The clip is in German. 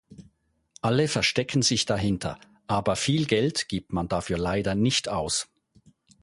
Alle verstecken sich dahinter, aber viel Geld gibt man dafür leider nicht aus.